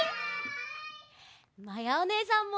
まやおねえさんも。